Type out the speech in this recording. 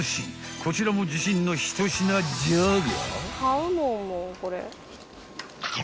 こちらも自信の一品じゃが］